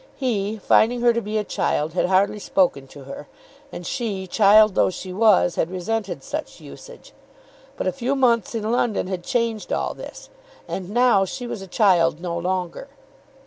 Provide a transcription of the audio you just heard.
He, finding her to be a child, had hardly spoken to her. And she, child though she was, had resented such usage. But a few months in London had changed all this, and now she was a child no longer.